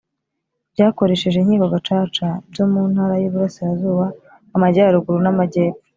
byakoresheje Inkiko Gacaca byo mu Ntara y iburasirazuba Amajyaruguru namajyepfo